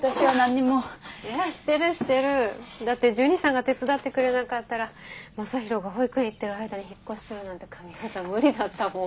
だってジュニさんが手伝ってくれなかったら将大が保育園行ってる間に引っ越しするなんて神業無理だったもん。